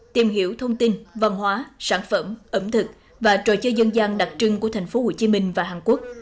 tìm hiểu thông tin văn hóa sản phẩm ẩm thực và trò chơi dân gian đặc trưng của tp hcm và hàn quốc